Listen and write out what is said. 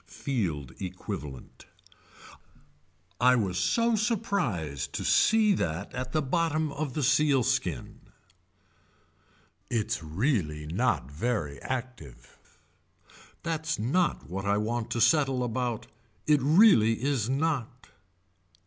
Field equivalent. I was so surprised to see that at the bottom of the sealskin. Its really not very active. That's not what I want to settle about. It really is not.